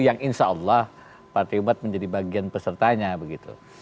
yang insya allah partai umat menjadi bagian pesertanya begitu